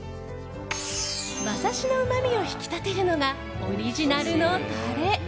馬刺しのうまみを引き立てるのがオリジナルのタレ。